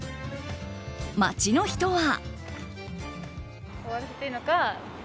街の人は。